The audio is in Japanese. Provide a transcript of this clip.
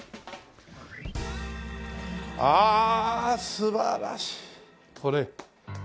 あ素晴らしいこれ。